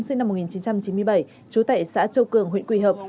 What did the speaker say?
sinh năm một nghìn chín trăm chín mươi bảy trú tại xã châu cường huyện quỳ hợp